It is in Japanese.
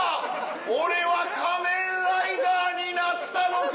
俺は仮面ライダーになったのか！